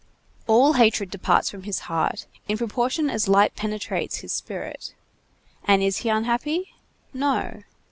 All hatred departs from his heart, in proportion as light penetrates his spirit. And is he unhappy? No.